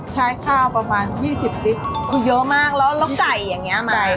ใช้ข้าวประมาณ๒๐ลิตรเยอะมากแล้วแล้วไก่อย่างนี้มั้ย